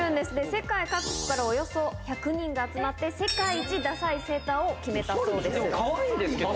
世界各国からおよそ１００人が集まって、世界一ダサいセーターをかわいいですけどね。